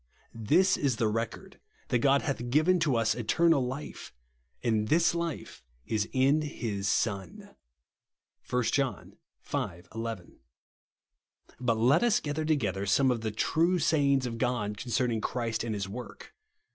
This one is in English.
" This is the record, that God hath given to us eternal life ; and this life is in his Son," (1 John v. 11). Bat let us cfather toq ether some of the ^'true sayings of God" concerning Christ and his work.